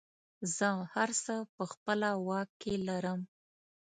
زه هر څه په خپله واک کې لرم.